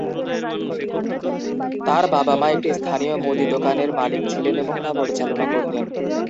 তাঁর বাবা-মা একটি স্থানীয় মুদি দোকানের মালিক ছিলেন এবং তা পরিচালনা করতেন।